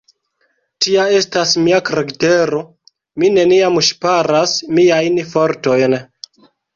Tia estas mia karaktero, mi neniam ŝparas miajn fortojn!